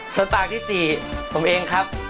ส่วนปากที่๔ผมเองครับ